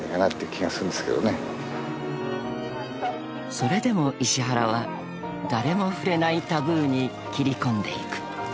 ［それでも石原は誰も触れないタブーにきり込んでいく］